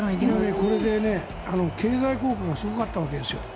これで経済効果がすごかったわけですよ。